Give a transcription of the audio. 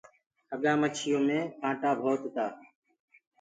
کڳآ مڇيو مي ڪآنٽآ ڀوت تآ۔